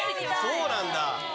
そうなんだ。